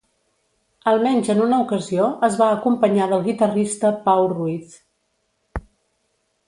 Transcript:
Almenys en una ocasió es va acompanyar del guitarrista Pau Ruiz.